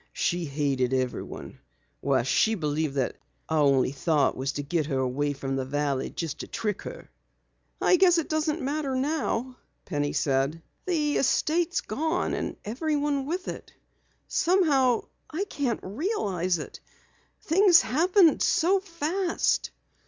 She hated everyone. Why, she believed that our only thought was to get her away from the valley just to trick her." "I guess it doesn't matter now," Penny said. "The estate's gone and everyone with it. Somehow I can't realize it things happened so fast."